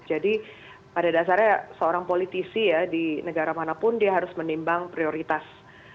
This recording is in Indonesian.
jadi pada dasarnya seorang politisi ya di negara manapun dia harus menimbang prioritas